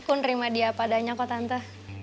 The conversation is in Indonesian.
aku nerima dia apa adanya kok tante